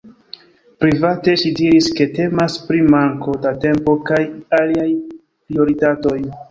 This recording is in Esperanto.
Private ŝi diris ke temas pri manko de tempo kaj aliaj prioritatoj.